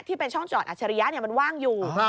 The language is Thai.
ที่เป็นช่องจอดอัจฉริยะมันว่างอยู่